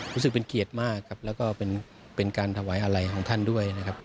รู้สึกเป็นเกียรติมากครับแล้วก็เป็นการถวายอะไรของท่านด้วยนะครับ